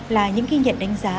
là những ghi nhận đánh giá